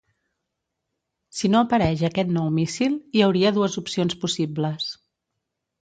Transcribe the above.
Si no apareix aquest nou míssil, hi hauria dues opcions possibles.